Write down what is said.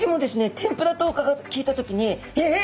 天ぷらと聞いた時にええっ！？